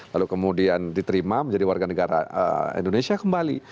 lalu kemudian diterima menjadi warga negara indonesia kembali